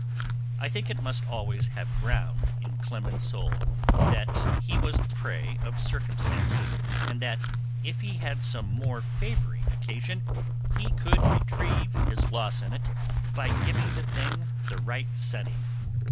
I think it must always have ground in Clemens's soul, that he was the prey of circumstances, and that if he had some more favoring occasion he could retrieve his loss in it by giving the thing the right setting.